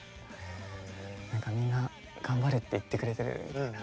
何かみんな頑張れって言ってくれてるみたいな。